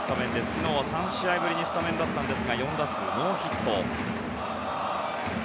昨日は３試合ぶりにスタメンだったんですが４打数ノーヒット。